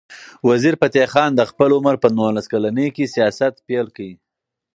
وزیرفتح خان د خپل عمر په نولس کلنۍ کې سیاست پیل کړ.